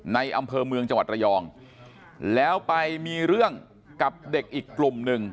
อำเภอเมืองจังหวัดระยองแล้วไปมีเรื่องกับเด็กอีกกลุ่มหนึ่ง